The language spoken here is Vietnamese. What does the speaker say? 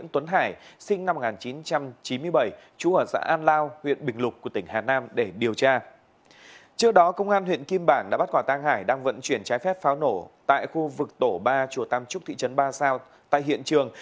tuy nhiên công an huyện kim bảng của tỉnh hà nam cho biết đang tạm giữ hình sự đối tượng